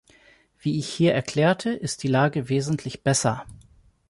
Wie ich hier erklärte, ist die Lage wesentlich besser.